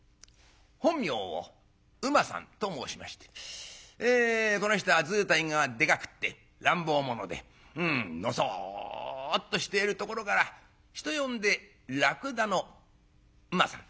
本名を「馬」さんと申しましてこの人は図体がでかくって乱暴者でのそっとしているところから人呼んで「らくだの馬さん」。